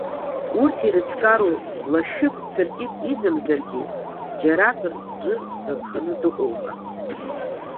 Урҭ ирыцкару лашәык, цыркьык идамзаргьы, џьаракыр ӡәыр дынханы дыҟоума?